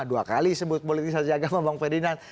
dua kali sebut politisasi agama bang ferdinand